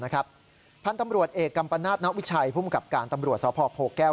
พันธุ์ตำรวจเอกกัมปะนาฏนักวิชัยผู้มีกรรมการตำรวจสภพโพกแก้ว